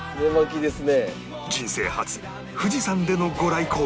人生初富士山での御来光